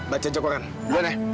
baca jokoran duh deh